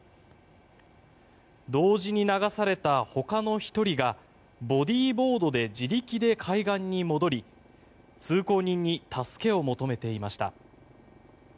同時に流されたほかの１人がボディーボードで自力で海岸に戻り通行人に助けを求めていました。